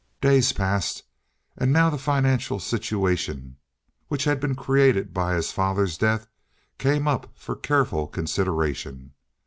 Days passed, and now the financial situation which had been created by his father's death came up for careful consideration.